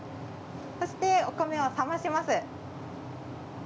そしてお米を冷まします。